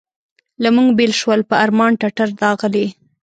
له موږ بېل شول په ارمان ټټر داغلي.